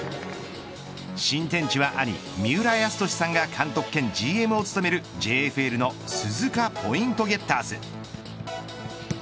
新天地は兄三浦泰年さんが監督兼ＧＭを務めるＪＦＬの鈴鹿ポイントゲッターズ。